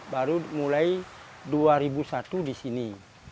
baru mulai dua ribu satu di sini